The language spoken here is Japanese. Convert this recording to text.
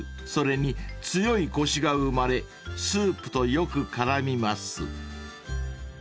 それに強いコシが生まれスープとよく絡みます］